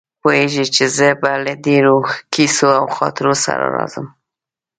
پوهېږي چې زه به له ډېرو کیسو او خاطرو سره راځم.